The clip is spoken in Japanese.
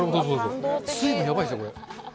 水分やばいですね。